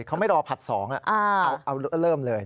เขาไม่รอผลัด๒เอาเริ่มเลย